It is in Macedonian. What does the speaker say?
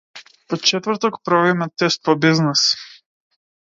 Во четврок правиме тест по бизнис.